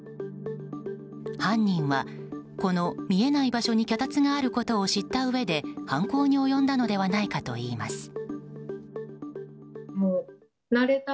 犯人は、この見えない場所に脚立があることを知ったうえで犯行に及んだのではないかといいます。